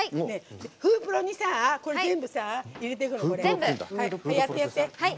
フープロに一緒に入れてくの。